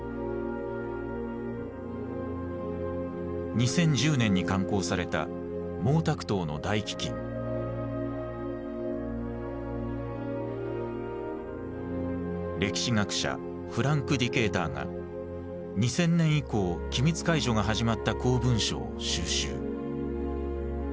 ２０１０年に刊行された歴史学者フランク・ディケーターが２０００年以降機密解除が始まった公文書を収集。